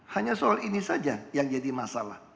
hanya soal ini saja yang jadi masalah